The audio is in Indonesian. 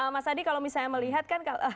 mas adi kalau misalnya melihat kan